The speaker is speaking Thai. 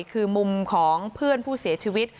คือมุมของเพื่อนผู้เสียชีวิต